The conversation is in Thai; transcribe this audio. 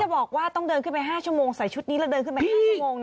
บอกว่าต้องเดินขึ้นไป๕ชั่วโมงใส่ชุดนี้แล้วเดินขึ้นไป๕ชั่วโมงนะ